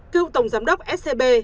cựu tổng giám đốc scb